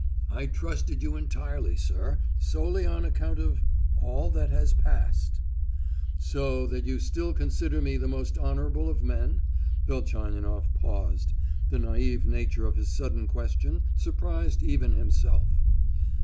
"I trusted you entirely, sir, solely on account of—all that has passed." "So that you still consider me the most honourable of men?" Velchaninoff paused, the naïve nature of his sudden question surprised even himself.